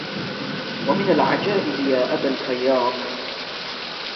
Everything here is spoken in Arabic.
ومن العجائب يا أبا الفياض